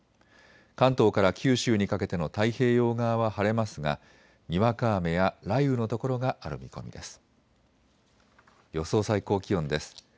関東から九州にかけての太平洋側は晴れますが、にわか雨や雷雨の所がある見込みです。